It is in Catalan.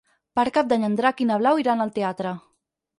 Per Cap d'Any en Drac i na Blau iran al teatre.